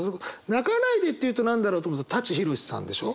泣かないでって言うと何だろうと思うと舘ひろしさんでしょ？